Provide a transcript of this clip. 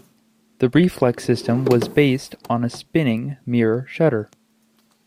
The reflex system was based on a spinning mirror shutter.